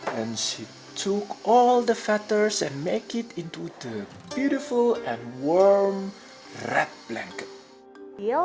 dan dia mengambil semua kisahnya dan membuatnya menjadi kaki merah yang indah dan indah